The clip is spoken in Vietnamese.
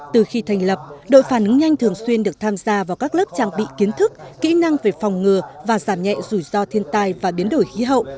từ khi thành lập đội phản ứng nhanh thường xuyên được tham gia vào các lớp trang bị kiến thức kỹ năng về phòng ngừa và giảm nhẹ rủi ro thiên tai và biến đổi khí hậu